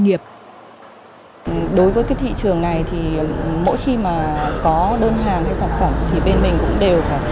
nghiệp đối với cái thị trường này thì mỗi khi mà có đơn hàng hay sản phẩm thì bên mình cũng đều phải